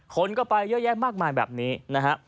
คนก็ไปเยอะแยะมากมายแบบนี้นะฮะ